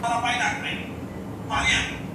دین خلکو ته اخلاقي لارښوونه کوي.